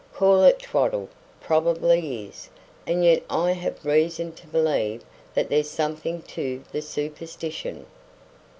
Call it twaddle; probably is; and yet I have reason to believe that there's something to the superstition."